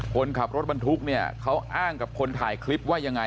คนขับรถบรรทุกเนี่ยเขาอ้างกับคนถ่ายคลิปว่ายังไง